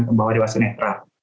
pembawa dewasa netral